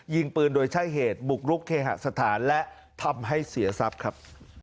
ยิงปืนโดยใช้เหตุบุกรุกเคหสถานและทำให้เสียทรัพย์ครับ